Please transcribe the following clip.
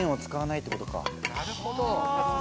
なるほど。